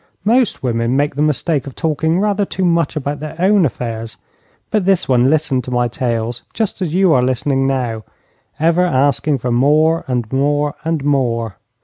Most women make the mistake of talking rather too much about their own affairs, but this one listened to my tales just as you are listening now, ever asking for more and more and more.